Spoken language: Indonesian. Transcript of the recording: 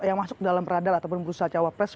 yang masuk dalam radar ataupun bursa cawapres